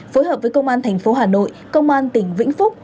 phối hợp với công an thành phố hà nội công an tỉnh vĩnh phúc